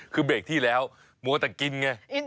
คือเบรกที่แล้วมัวแต่กินไง